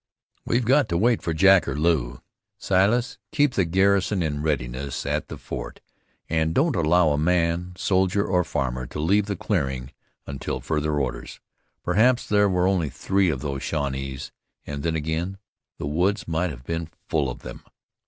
We've got to wait for Jack or Lew. Silas, keep the garrison in readiness at the fort, and don't allow a man, soldier or farmer, to leave the clearing until further orders. Perhaps there were only three of those Shawnees, and then again the woods might have been full of them.